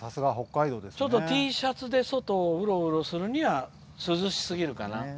ちょっとＴシャツで外をうろうろするには涼しすぎるかな。